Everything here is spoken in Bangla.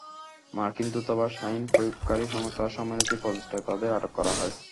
মার্কিন দূতাবাস, আইন প্রয়োগকারী সংস্থার সম্মিলিত প্রচেষ্টায় তাঁদের আটক করা হয়।